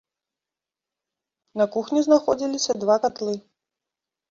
На кухні знаходзіліся два катлы.